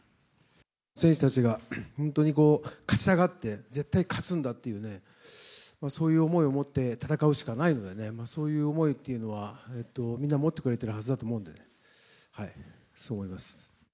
選手たちが本当にこう、勝ちたがって、絶対勝つんだっていうね、そういう思いを持って戦うしかないので、そういう思いっていうのは、皆、持ってくれてるはずだと思うんで、そう思います。